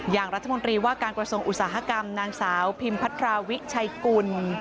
อย่างรัฐมนตรีว่าการกระทรวงอุตสาหกรรมนางสาวพิมพัทราวิชัยกุล